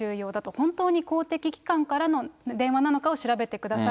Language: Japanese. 本当に公的機関からの電話なのかを調べてください。